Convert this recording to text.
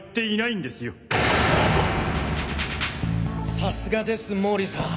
さすがです毛利さん。